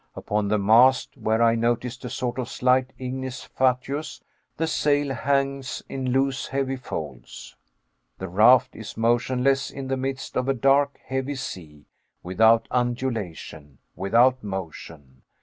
Upon the mast, where I noticed a sort of slight ignis fatuus, the sail hangs in loose heavy folds. The raft is motionless in the midst of a dark heavy sea without undulation, without motion.